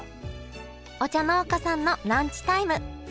お茶農家さんのランチタイム。